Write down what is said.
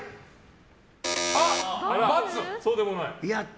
×、そうでもない。